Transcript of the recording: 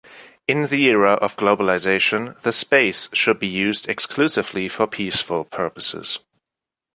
In the era of globalization the space should be used exclusively for peaceful purposes.